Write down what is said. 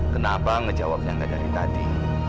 kenapa ngejawabnya gak dari tadi